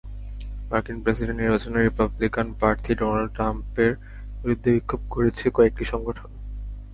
মার্কিন প্রেসিডেন্ট নির্বাচনে রিপাবলিকান প্রার্থী ডোনাল্ড ট্রাম্পের বিরুদ্ধে বিক্ষোভ করেছে কয়েকটি সংগঠন।